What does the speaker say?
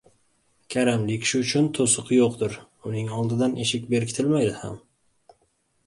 Karamli kishi uchun to‘siq yo‘qdir, uning oldidan eshik berkitilmaydi ham.